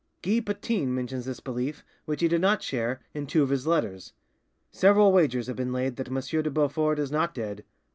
Guy Patin mentions this belief, which he did not share, in two of his letters:— "Several wagers have been laid that M. de Beaufort is not dead!